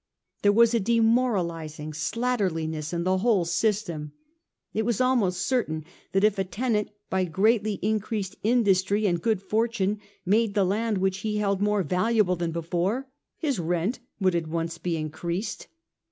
There was a demoralising slat ternliness in the whole system. It was almost certain that if a tenant by greatly increased industry and, good fortune made the land which he held more valuable than before, his rent would at once be increased.